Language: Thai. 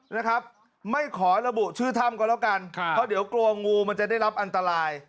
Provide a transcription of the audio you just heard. นะครับไม่ขอระบุชื่อถ้ำก็แล้วกันค่ะเพราะเดี๋ยวกลัวงูมันจะได้รับอันตราย